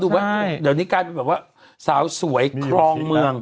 เดี๋ยวนี้กำลังบอกว่าสาวสวยครองเมือง